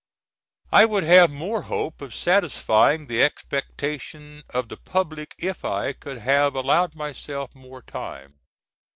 I would have more hope of satisfying the expectation of the public if I could have allowed myself more time.